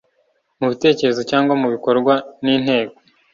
mu bitekerezo cyangwa mu bikorwa ni Inteko